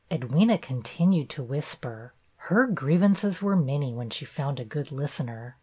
Edwyna continued to whisper. Her grievances were many when she found a good listener.